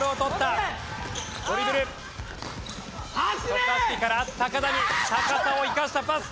渡嘉敷から田に高さを生かしたパス。